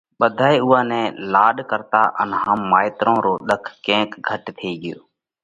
ٻڌائي اُوئا نئہ لاڏ ڪرتا ان هم مائيترون رو ۮک ڪينڪ گھٽ ٿي ڳيو۔